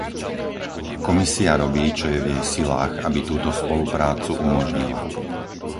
Komisia robí, čo je v jej silách, aby túto spoluprácu umožnila.